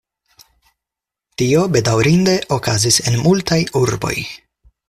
Tio bedaŭrinde okazis en multaj urboj.